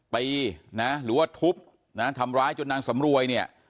ตีนะหรือว่าทุบนะทำร้ายจนนางสำรวยเนี่ย